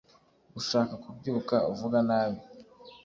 ushaka kubyuka uvuga nabi